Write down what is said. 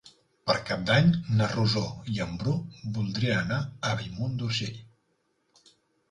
Per Cap d'Any na Rosó i en Bru voldrien anar a Bellmunt d'Urgell.